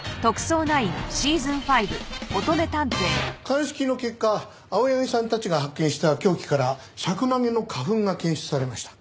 鑑識の結果青柳さんたちが発見した凶器からシャクナゲの花粉が検出されました。